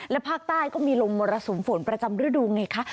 และภาคใต้ก็มีลมมรสุมฝนประจำฤดูไงคะ